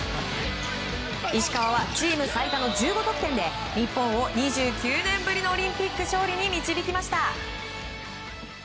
石川は、チーム最多の１５得点で日本を２９年ぶりのオリンピック勝利に導きました。